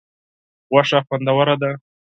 غوښه خوندوره ده.